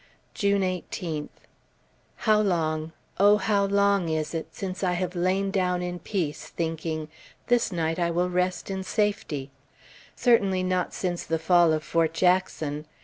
June 18th. How long, O how long, is it since I have lain down in peace, thinking, "This night I will rest in safety"? Certainly not since the fall of Fort Jackson.